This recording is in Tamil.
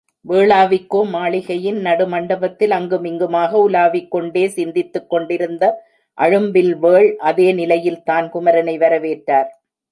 வேளாவிக்கோ மாளிகையின் நடு மண்டபத்தில் அங்கும் இங்குமாக உலாவிக்கொண்டே சிந்தித்துக் கொண்டிருந்த அழும்பில்வேள் அதே நிலையில்தான் குமரனை வரவேற்றார்.